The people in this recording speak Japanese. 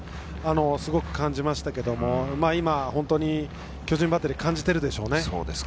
すごく感じましたけれど今、本当に巨人バッテリーは感じているでしょうね。